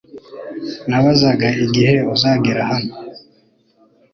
Nibazaga igihe uzagera hano .